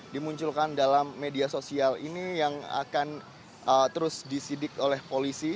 dimunculkan dalam media sosial ini yang akan terus disidik oleh polisi